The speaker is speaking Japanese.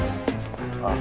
ああ。